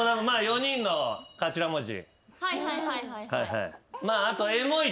４人の頭文字。